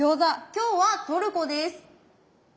今日はトルコです。